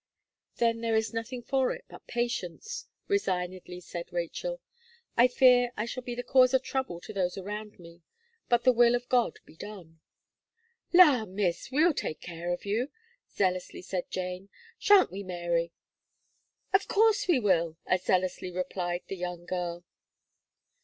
"Then there is nothing for it but patience," resignedly said Rachel, "I fear I shall be the cause of trouble to those around me, but the will of God be done." "La, Miss! we'll take care of you," zealously said Jane, "shan't we, Mary?" "Of course we will," as zealously replied the young girl.